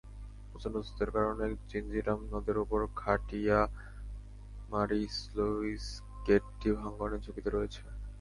প্রচণ্ড স্রোতের কারণে জিঞ্জিরাম নদের ওপর খাটিয়ামারী স্লুইসগেটটি ভাঙনের ঝুঁকিতে রয়েছে।